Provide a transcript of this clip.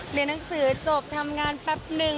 เรียนหนังสือจบทำงานแป๊บนึง